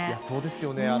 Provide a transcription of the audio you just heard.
そうですよね。